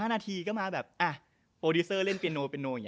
๑๕นาทีก็มาแบบโปรดิเซอร์เล่นเพียโน